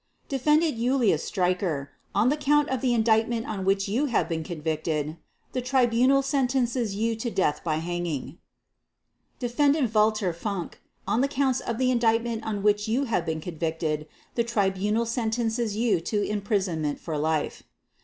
"Defendant Julius Streicher, on the Count of the Indictment on which you have been convicted, the Tribunal sentences you to death by hanging. "Defendant Walter Funk, on the Counts of the Indictment on which you have been convicted, the Tribunal sentences you to imprisonment for life.